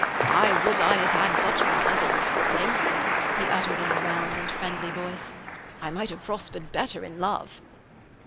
'I would I had had such manners as a stripling,' he uttered in a round and friendly voice. 'I might have prospered better in love.'